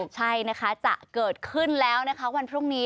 ใช่นะคะจะเกิดขึ้นแล้วนะคะวันพรุ่งนี้